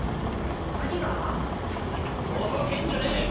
何が？とぼけんじゃねえ！！